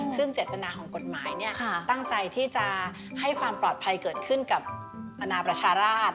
ซึ่งเจตนาของกฎหมายตั้งใจที่จะให้ความปลอดภัยเกิดขึ้นกับอนาประชาราช